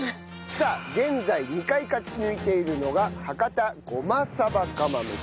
さあ現在２回勝ち抜いているのが博多ごまさば釜飯。